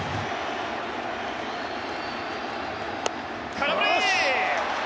空振り！